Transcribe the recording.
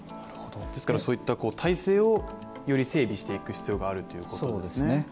ですから、体制をより整備していく必要があるということですね。